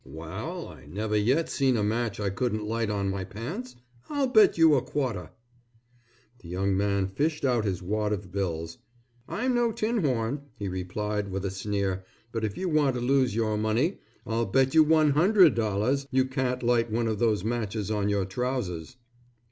"Wal I never yet seen a match I couldn't light on my pants. I'll bet you a quarter." The young man fished out his wad of bills. "I'm no tin horn," he replied, with a sneer. "But if you want to lose your money, I'll bet you $100 you can't light one of those matches on your trousers."